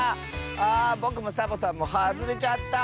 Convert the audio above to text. あぼくもサボさんもはずれちゃった。